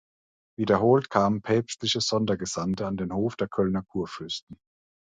Wiederholt kamen päpstliche Sondergesandte an den Hof der Kölner Kurfürsten.